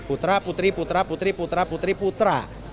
putra putri putra putri putra putri putra